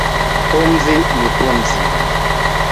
Pumzi ni pumzi